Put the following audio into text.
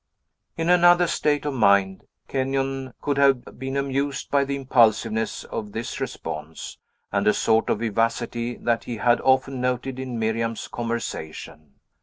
In another state of mind, Kenyon could have been amused by the impulsiveness of this response, and a sort of vivacity that he had often noted in Miriam's conversation.